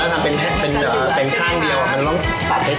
อย่างนั้นยังไม่สุข